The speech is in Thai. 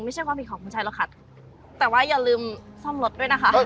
ไม่ใช่ความผิดของคุณชัยหรอกค่ะแต่ว่าอย่าลืมซ่อมรถด้วยนะคะ